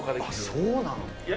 そうなの？